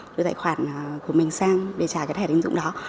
đưa tài khoản của mình sang để trả cái thẻ tín dụng đó